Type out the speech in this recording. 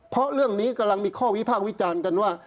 เพราะเรื่องนี้กำลังมีข้อวิพากษ์วิจารณ์กันว่า